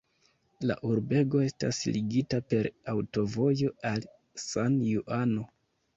La urbego estas ligita per aŭtovojo al San-Juano.